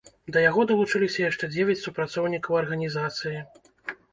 Да яго далучыліся яшчэ дзевяць супрацоўнікаў арганізацыі.